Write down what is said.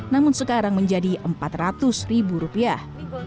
namun sekarang menjadi empat ratus ribu rupiah